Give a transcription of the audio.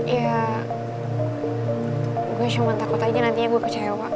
ya gue cuma takut aja nantinya gue kecewa